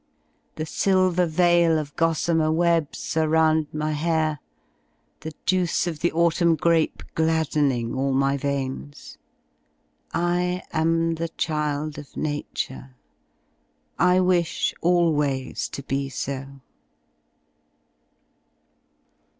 The silver veil of gossamer webs are round my hair, the \ juice of the autumn grape gladdening all my veins. I am. ] the child of Nature, T wish always to be so.